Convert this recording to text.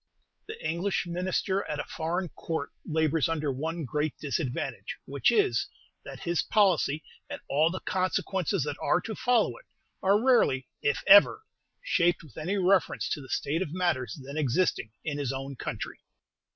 The English Minister at a Foreign Court labors under one great disadvantage, which is, that his policy, and all the consequences that are to follow it, are rarely, if ever, shaped with any reference to the state of matters then existing in his own country.